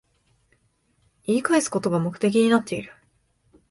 言い返すことが目的になってる